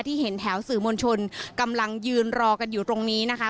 เห็นแถวสื่อมวลชนกำลังยืนรอกันอยู่ตรงนี้นะคะ